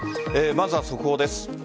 まずは速報です。